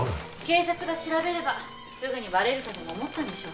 警察が調べればすぐにバレるとでも思ったんでしょ。